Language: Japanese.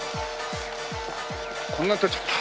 こんな取っちゃった。